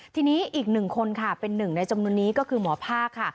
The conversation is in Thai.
ทีนี้อีกหนึ่งคนค่ะเป็นหนึ่งในจำนวนนี้ก็คือหมอภาคค่ะ